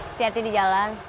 hati hati di jalan